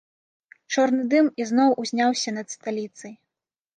Чорны дым ізноў узняўся над сталіцай.